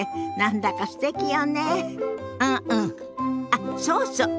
あっそうそう。